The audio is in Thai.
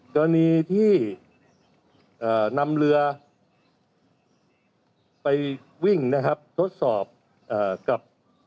ตอนนี้ที่อ่านำเรือไปวิ่งนะครับทดสอบอ่ากับ